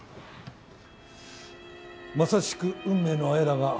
まさしく運命のあやだが。